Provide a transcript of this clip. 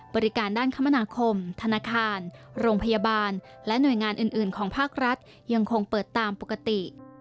บริการด้านคมนาคมธนาคารโรงพยาบาลและหน่วยงานอื่นของภาครัฐยังคงเปิดตามปกติ